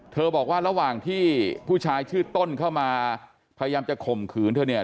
บอกว่าระหว่างที่ผู้ชายชื่อต้นเข้ามาพยายามจะข่มขืนเธอเนี่ย